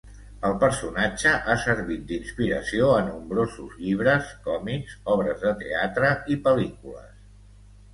El personatge ha servit d'inspiració a nombrosos llibres, còmics, obres de teatre i pel·lícules.